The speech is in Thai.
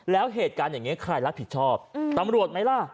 แล้วเหตุการณ์อย่างนี้ใครรับผิดชอบตำรวจไหมล่ะ